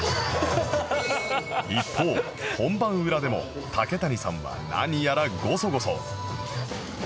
一方本番裏でも竹谷さんは何やらゴソゴソ